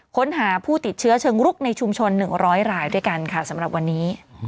ค้นหาผู้ติดเชื้อเชิงรุกในชุมชน๑๐๐รายด้วยกันค่ะสำหรับวันนี้